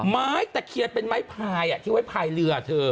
ไม้ตะเคียนเป็นไม้พายที่ไว้ภายเรือเธอ